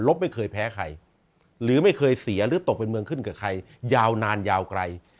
ไม่เคยแพ้ใครหรือไม่เคยเสียหรือตกเป็นเมืองขึ้นกับใครยาวนานยาวไกล